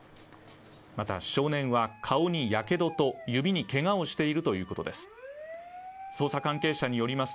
また少年は顔にやけどと指にけがをしているということです。